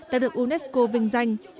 đã được unesco vinh danh